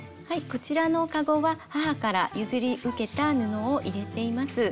こちらの籠は母から譲り受けた布を入れています。